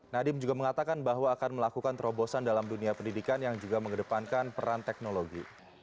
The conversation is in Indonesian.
nadiem juga mengatakan bahwa akan melakukan terobosan dalam dunia pendidikan yang juga mengedepankan peran teknologi